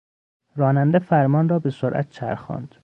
راننده فرمان را به سرعت چرخاند.